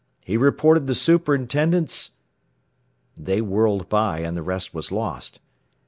He reported the superintendent's " They whirled by, and the rest was lost.